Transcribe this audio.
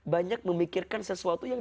banyak memikirkan sesuatu yang